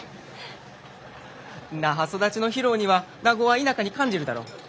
那覇育ちの博夫には名護は田舎に感じるだろ？